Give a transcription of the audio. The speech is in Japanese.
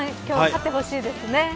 今日勝ってほしいですね。